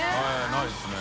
ないですね。